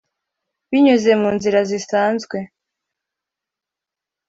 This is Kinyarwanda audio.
binyuze mu nzira zisanzwe